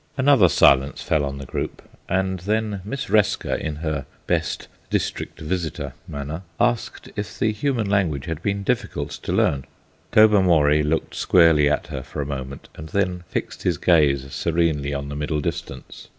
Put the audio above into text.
Another silence fell on the group, and then Miss Resker, in her best district visitor manner, asked if the human language had been difficult to learn. Tobermory looked squarely at her for a moment and then fixed his gaze serenely on the middle distance.